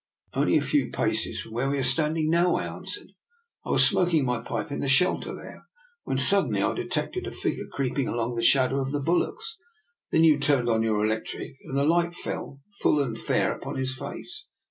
"" Only a few paces from where we are standing now," I answered. " I was smok ing my pipe in the shelter there, when sud V \ DR. NIKOLA'S EXPERIMENT. loi denly I detected a figure creeping along in the shadow of the bulwarks. Then you turned on your electric, and the light fell full and fair upon his face.